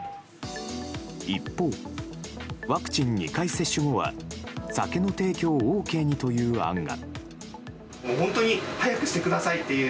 一方、ワクチン２回接種後は酒の提供をＯＫにという案が。